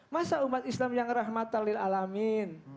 masa umat islam yang rahmatan lil'alamin